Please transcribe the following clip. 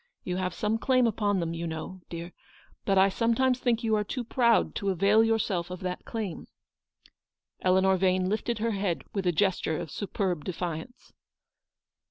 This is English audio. You have some claim upon them, you know, dear, but I sometimes think you are too proud to avail your self of that claim/' Eleanor Vane lifted her head with a gesture of superb defiance.